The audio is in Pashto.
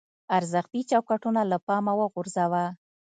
ارزښتي چوکاټونه له پامه وغورځوو.